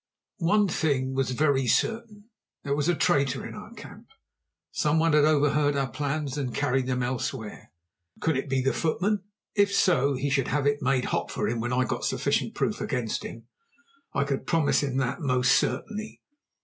One thing was very certain, there was a traitor in our camp. Some one had overheard our plans and carried them elsewhere. Could it be the footman? If so, he should have it made hot for him when I got sufficient proof against him; I could promise him that most certainly.